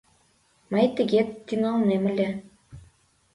Мый тыге тӱҥалнем ыле: